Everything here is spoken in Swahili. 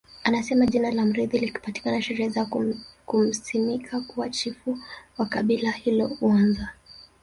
Anasema jina la mrithi likipatikana sherehe za kumsimika kuwa Chifu wa kabila hilo huanza